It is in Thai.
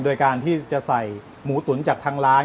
โดยการที่จะใส่หมูตุ๋นจากทางร้าน